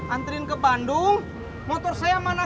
antriin ke bandung motor saya mana